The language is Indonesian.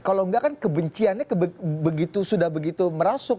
kalau nggak kan kebenciannya sudah begitu merasuk